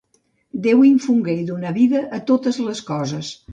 Déu infongué i donà vida a totes les coses.